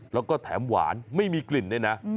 แล้วก็แถมหวานไม่มีกลิ่นนะครับ